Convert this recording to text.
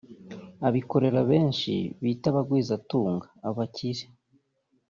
abikorera benshi bita “abagwizatunga” (Abakire)